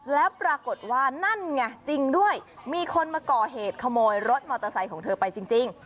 แล้วปรากฏว่านั่นไงจริงด้วยมีคนมาก่อเหตุขโมยรถมอเตอร์ไซค์ของเธอไปจริง